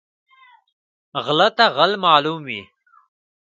غله ته غل معلوم وي